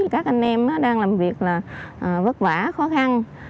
các anh em đang làm việc là vất vả khó khăn